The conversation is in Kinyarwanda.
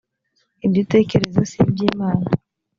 ibyo utekereza si iby’imana